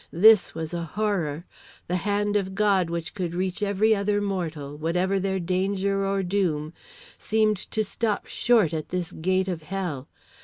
This was a horror. The hand of God which could reach every other mortal, whatever their danger or doom, seemed to stop short at this gate of hell.